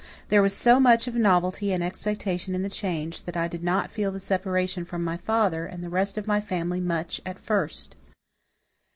There was so much of novelty and expectation in the change, that I did not feel the separation from my father and the rest of my family much at first.